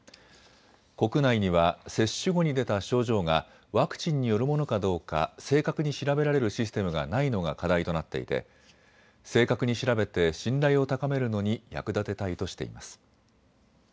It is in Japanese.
国内には接種後に出た症状がワクチンによるものかどうか正確に調べられるシステムがないのが課題となっていて正確に調べて信頼を高めるのに役立てたいとしています。